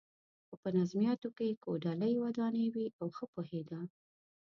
خو په نظمیاتو کې یې کوډلۍ ودانې وې او ښه پوهېده.